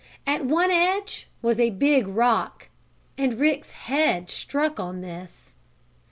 At one edge was a big rock, and Rick's head struck on this.